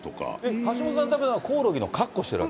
橋下さん、だからコオロギの格好してるわけ？